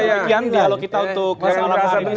demikian dialog kita untuk kemasalahan ini